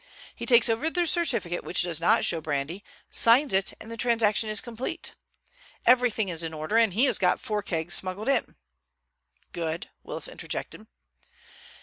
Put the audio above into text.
He takes over the certificate which does not show brandy, signs it, and the transaction is complete. Everything is in order, and he has got four kegs smuggled in." "Good," Willis interjected.